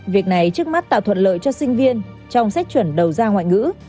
việc này trước mắt tạo thuận lợi cho sinh viên trong sách chuẩn đầu gia ngoại ngữ